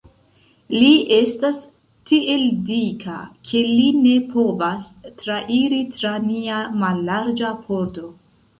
Li estas tiel dika, ke li ne povas trairi tra nia mallarĝa pordo.